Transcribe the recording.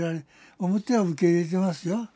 表は受け入れてますよ。